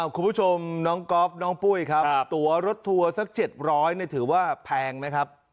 คุณผู้ชมน้องก๊อฟน้องปุ้ยครับตัวรถทัวร์สัก๗๐๐ถือว่าแพงไหมครับ